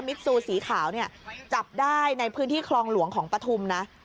ซูสีขาวเนี่ยจับได้ในพื้นที่คลองหลวงของปฐุมนะ